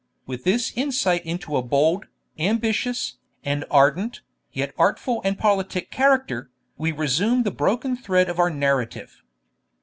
With this insight into a bold, ambitious, and ardent, yet artful and politic character, we resume the broken thread of our narrative.